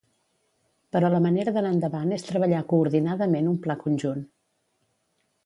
Però la manera d’anar endavant és treballar coordinadament un pla conjunt.